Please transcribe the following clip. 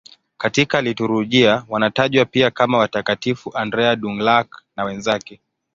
Katika liturujia wanatajwa pia kama Watakatifu Andrea Dũng-Lạc na wenzake.